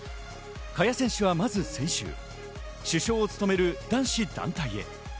萱選手はまず先週、主将を務める男子団体へ。